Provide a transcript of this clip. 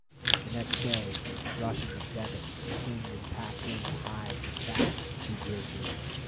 The next day Rush and McDevitt skinned and packed in the hides and fat of the two grizzlies.